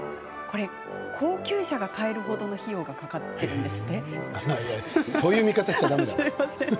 高級車が買える程の費用がかかっているそうです。